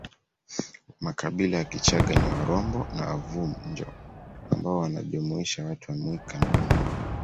Makabila ya Kichaga ni Warombo na Wavunjo ambao wanajumuisha watu wa Mwika na Mamba